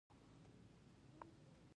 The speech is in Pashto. آیا ډاکټران یې ډیر مسلکي نه دي؟